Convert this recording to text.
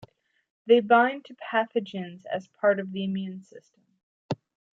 They bind to pathogens as part of the immune system.